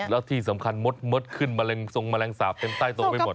แล้วที่สำคัญมดมดขึ้นส่งแมลงสาบเต็มใต้โต๊ะไม่หมด